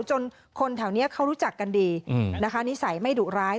จนคนแถวนี้เขารู้จักกันดีนะคะนิสัยไม่ดุร้าย